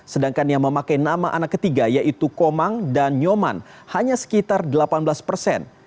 sedangkan yang memakai nama anak ketiga yaitu komang dan nyoman hanya sekitar delapan belas persen